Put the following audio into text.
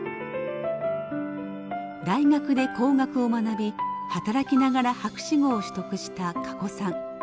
大学で工学を学び働きながら博士号を取得したかこさん。